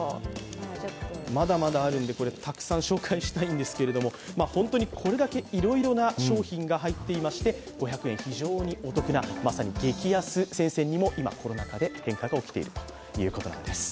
まだまだあるんで、たくさん紹介したいんですけども、本当にこれだけいろいろな商品が入っていまして５００円、非常にお得な、まさに激安戦線にも今、コロナ禍で変化が起きているということなんです。